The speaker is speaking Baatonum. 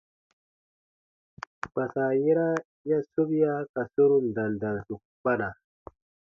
Kpãsa yera ya sobia ka sorun dandansu kpana.